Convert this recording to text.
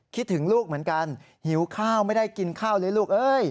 คิดถึงลูกเหมือนกันหิวข้าวไม่ได้กินข้าวเลยลูกเอ้ย